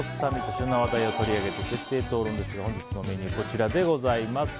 旬な話題を取り上げて徹底討論ですが本日のメニューこちらでございます。